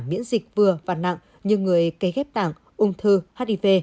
miễn dịch vừa và nặng như người cấy ghép tảng ung thư hiv